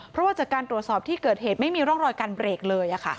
เพราะว่าจากการตรวจสอบที่เกิดเหตุไม่มีร่องรอยการเบรกเลย